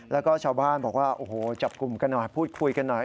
แล้วก็ชาวบ้านบอกว่าโอ้โหจับกลุ่มกันหน่อยพูดคุยกันหน่อย